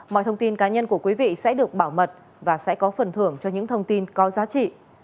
mọi thông tin cá nhân của quý vị sẽ được bảo mật và sẽ có phần thưởng cho những thông tin có giá trị